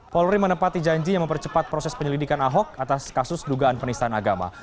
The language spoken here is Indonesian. polri menepati janji yang mempercepat proses penyelidikan ahok atas kasus dugaan penistaan agama